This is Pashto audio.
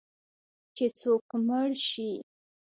چې څوک مړ شي